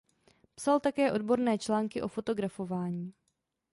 Psal také odborné články o fotografování.